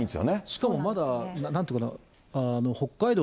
しかもまだなんというのかな、北海道、